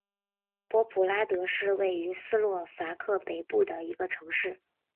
波普拉德是位于斯洛伐克北部的一个城市。